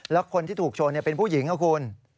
แล้วคนที่ถูกชนเป็นผู้หญิงครับคุณ